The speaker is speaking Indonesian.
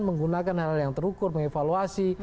menggunakan hal hal yang terukur mengevaluasi